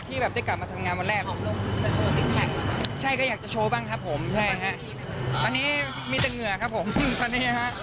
แบบได้กลับมาทำงานวันแรกใช่ก็อยากจะโชว์บ้างครับผมใช่ฮะตอนนี้มีแต่เหงื่อครับผมตอนนี้ฮะ